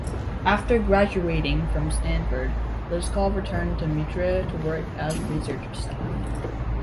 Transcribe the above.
After graduating from Stanford, Liskov returned to Mitre to work as research staff.